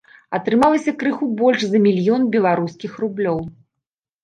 Атрымалася крыху больш за мільён беларускіх рублёў.